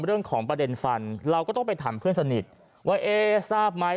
เรื่องของประเด็นฟันเราก็ต้องไปถามเพื่อนสนิทว่าเอ๊ทราบไหม